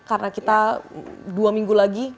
karena kita dua minggu lagi